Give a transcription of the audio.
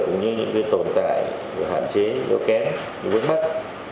cũng như những tồn tại hạn chế yếu kém vững mắc